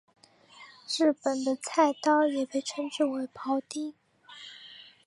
日本的菜刀也被称之为庖丁。